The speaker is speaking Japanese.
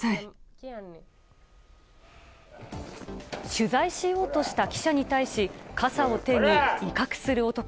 取材しようとした記者に対し傘を手に威嚇する男。